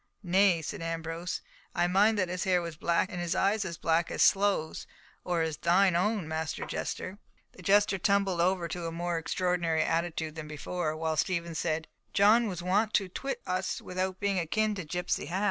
"Nay," said Ambrose, "I mind that his hair was black, and his eyes as black as sloes—or as thine own, Master Jester." The jester tumbled over into a more extraordinary attitude than before, while Stephen said— "John was wont to twit us with being akin to Gipsy Hal."